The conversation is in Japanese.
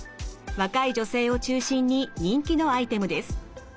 若い女性を中心に人気のアイテムです。